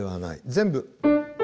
全部。